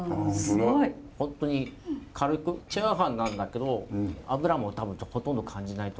本当に軽くチャーハンなんだけどあぶらもほとんど感じないと思いますし。